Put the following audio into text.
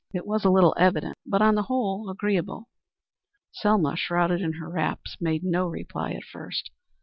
It was a little evident, but on the whole agreeable." Selma, shrouded in her wraps, made no reply at first.